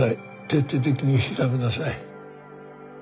徹底的に調べなさい。